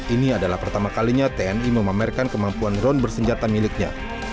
ini adalah pertama kalinya tni memamerkan kemampuan drone bersenjata miliknya